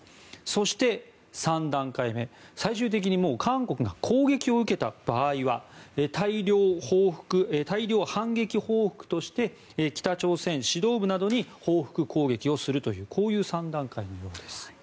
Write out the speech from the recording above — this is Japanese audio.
そして３段階目、最終的に韓国が攻撃を受けた場合は大量反撃報復として北朝鮮指導部などに報復攻撃をするというこういう３段階のようです。